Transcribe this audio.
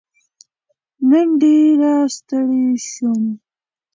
نن ډېر ستړی شوم.